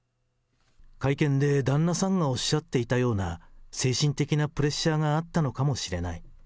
会見で旦那さんがおっしゃっていたような、精神的なプレッシャーがあったのかもしれない。